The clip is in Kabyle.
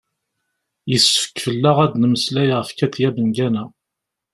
yessefk fell-aɣ ad d-nemmeslay ɣef katia bengana